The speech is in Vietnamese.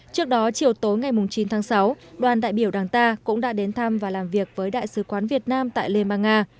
trước đó chiều tối ngày chín tháng sáu đoàn đại biểu đảng ta cũng đã đến thăm và làm việc với đại sứ quán việt nam tại liên bang nga